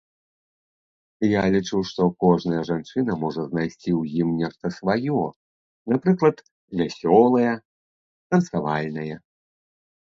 Я лічу, што кожная жанчына можа знайсці ў ім нешта сваё, напрыклад, вясёлае, танцавальнае.